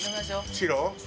白。